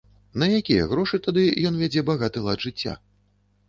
На якія грошы тады ён вядзе багаты лад жыцця?